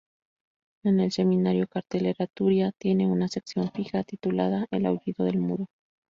En el semanario Cartelera Turia tiene una sección fija titulada "El aullido del mudo".